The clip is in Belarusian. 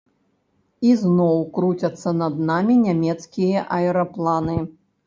Ізноў круцяцца над намі нямецкія аэрапланы.